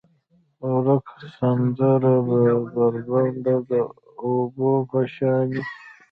ورکه سندره به، بربنډه د اوبو په شانې،